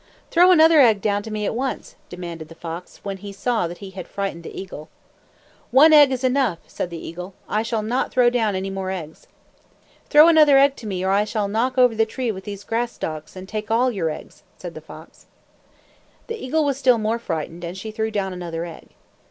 "Throw another egg down to me at once," demanded the fox, when he saw that he had frightened the eagle. "One egg is enough," said the eagle. "I shall not throw down any more eggs." "Throw another egg to me, or I shall knock the tree over with these grass stalks, and take all your eggs," said the fox. The eagle was still more frightened, and she threw down another egg.